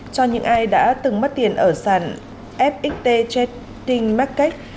cho những ai đã từng mất tiền ở sàn fxt trading market